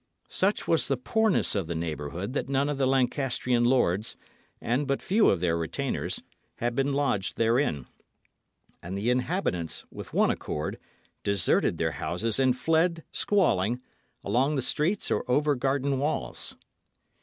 Such was the poorness of the neighbourhood that none of the Lancastrian lords, and but few of their retainers, had been lodged therein; and the inhabitants, with one accord, deserted their houses and fled, squalling, along the streets or over garden walls.